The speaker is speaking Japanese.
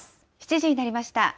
７時になりました。